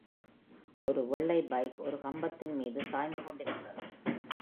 ஒரு வெள்ளை பைக் ஒரு கம்பத்தின் மீது சாய்ந்து கொண்டிருக்கிறது.